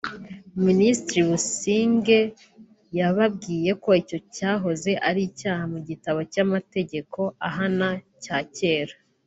Minisitiri Busingye yababwiye ko icyo cyahoze ari icyaha mu gitabo cy’amategeko ahana cya kera